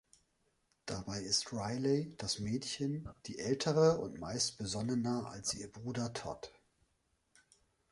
Dabei ist Riley, das Mädchen, die ältere und meist besonnener als ihr Bruder Todd.